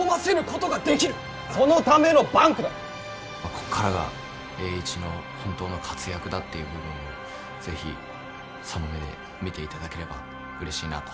ここからが栄一の本当の活躍だという部分を是非その目で見ていただければうれしいなと思います。